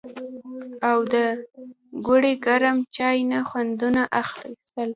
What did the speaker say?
او د ګوړې ګرم چای نه خوندونه اخيستل